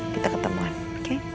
kita ketemuan oke